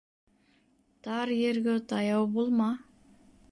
Тар ерго таяу булма.